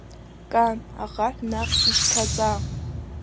Кан, ахаҳә наҟ ишьҭаҵа!